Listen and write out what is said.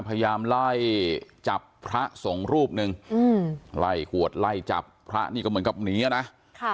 พยายามไล่จับพระสงฆ์รูปหนึ่งอืมไล่ขวดไล่จับพระนี่ก็เหมือนกับหนีอ่ะนะค่ะ